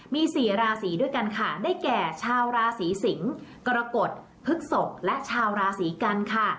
มี๔ราศีด้วยกันค่ะได้แก่ชาวราศีสิงศ์กรกฎพฤกษกและชาวราศีกันค่ะ